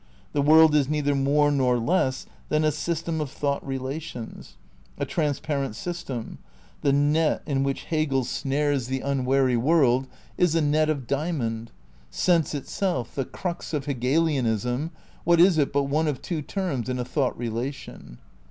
The world is neither more nor less than a system of thought relations. A trans parent system. The net in which Hegel snares the un 4 THE NEW IDEALISM i wary world is "a net of diamond." Sense itself, the crux of Hegelianism, what is it hut one of two terms in a "thought relation"?